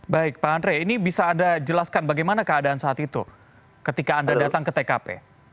baik pak andre ini bisa anda jelaskan bagaimana keadaan saat itu ketika anda datang ke tkp